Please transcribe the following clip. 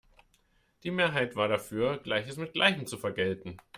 Die Mehrheit war dafür, Gleiches mit Gleichem zu vergelten.